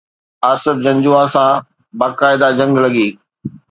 آصف جنجوعه سان باقاعده جنگ لڳي.